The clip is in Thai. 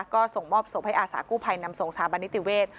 ก็ส่งมอบศพให้อาสากู้ภัยนำส่งสถาบันนิติเวศ